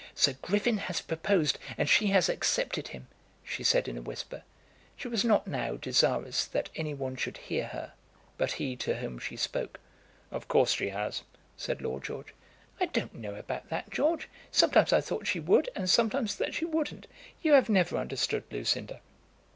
"Sir Griffin has proposed, and she has accepted him," she said in a whisper. She was not now desirous that any one should hear her but he to whom she spoke. "Of course she has," said Lord George. "I don't know about that, George. Sometimes I thought she would, and sometimes that she wouldn't. You have never understood Lucinda."